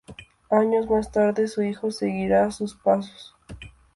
Años más tarde, su hijo seguirá sus pasos.